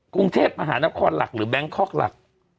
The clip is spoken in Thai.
กรุงเทพย์มหานครหรือแบงคอกหลัก